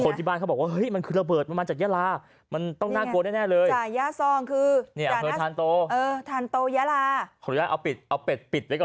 นี่ไงทุเรียนน่ากินมาก